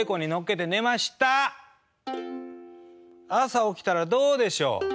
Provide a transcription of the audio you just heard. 朝起きたらどうでしょう。